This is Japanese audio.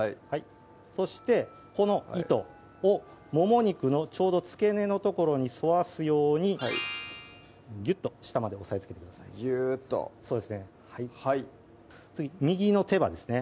そしてこの糸をもも肉のちょうどつけ根の所に沿わすようにギュッと下まで押さえつけてくださいギューッとそうですねはい次右の手羽ですね